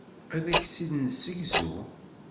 Ad ak-tt-id-nessegzu.